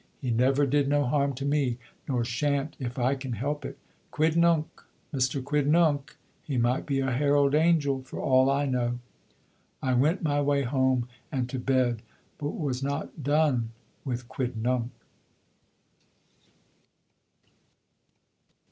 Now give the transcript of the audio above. He never did no harm to me, nor shan't if I can help it. Quidnunc! Mister Quidnunc! He might be a herald angel for all I know." I went my way home and to bed, but was not done with Quidnunc.